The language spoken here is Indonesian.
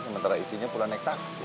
sementara izinnya pulang naik taksi